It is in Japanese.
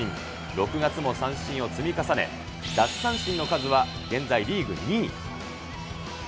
６月も三振を積み重ね、奪三振の数は現在リーグ２位。